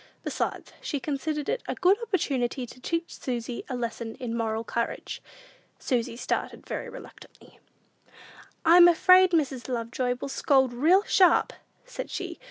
Besides, she considered it a good opportunity to teach Susy a lesson in moral courage. Susy started very reluctantly. "I'm afraid Mrs. Lovejoy will scold real sharp," said she.